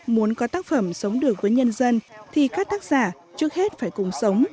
muốn có tác phẩm sống được với nhân dân thì các tác giả trước hết phải cùng sống